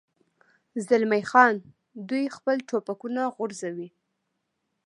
زلمی خان: دوی خپل ټوپکونه غورځوي.